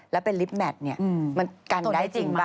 แล้วเป็นลิปแบตนี่มันกันได้จริงป่ะ